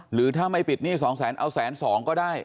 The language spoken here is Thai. หรือถ้าไม่ปิดหนี้สองแสนเอาแสนสองก็ได้